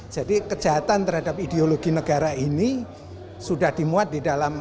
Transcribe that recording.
jadi kejahatan terhadap ideologi negara ini sudah dimuat di dalam